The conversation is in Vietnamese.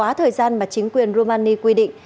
các thành viên của gia đình và chính quyền romania quy định